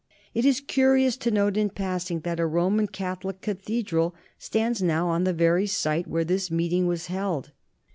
It is curious to note in passing that a Roman Catholic cathedral stands now on the very site where this meeting was held.